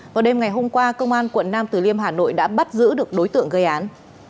vào đêm ngày hôm qua công an quận nam từ liêm hà nội đã bắt giữ được đối tượng gây án